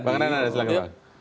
bang renanda silahkan